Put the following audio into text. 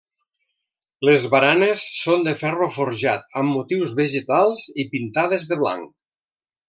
Les baranes són de ferro forjat amb motius vegetals i pintades de blanc.